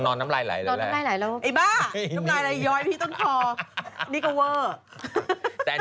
น้องน้อยเลยยอยพี่ต้นคอ